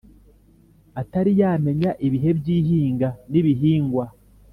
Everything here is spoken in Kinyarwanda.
atari yamenya ibihe by ihinga n ibihingwa